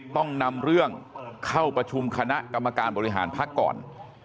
ต้องนำเรื่องเข้าประชุมคณะกรรมการบริหารพักก่อน